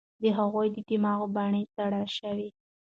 د هغوی دماغي بڼې څېړل شوې دي.